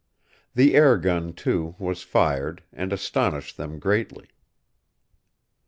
The air gun, too, was fired, and astonished them greatly...."